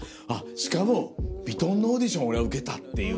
しかもヴィトンのオーディションを俺は受けた」っていう。